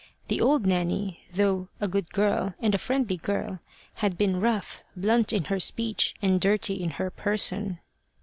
The old Nanny, though a good girl, and a friendly girl, had been rough, blunt in her speech, and dirty in her person.